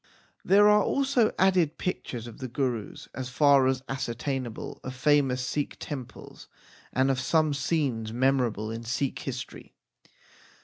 There are also added pictures of the Gurus as far as ascertainable, of famous Sikh temples, and of some scenes memorable in Sikh history.